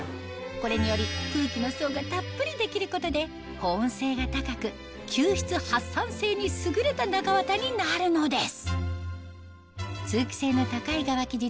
これにより空気の層がたっぷり出来ることで保温性が高く吸湿発散性に優れた中綿になるのです